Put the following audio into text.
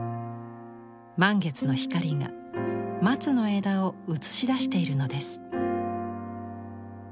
満月の光が松の枝を映し出しているのです。